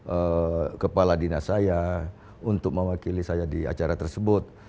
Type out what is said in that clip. oleh kepala dinas saya untuk mewakili saya di acara tersebut